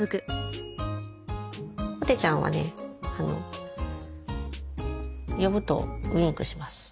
ぽてちゃんはね呼ぶとウインクします。